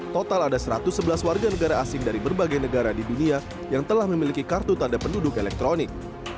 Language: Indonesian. total ada satu ratus sebelas warga negara asing dari berbagai negara di dunia yang telah memiliki kartu tanda penduduk elektronik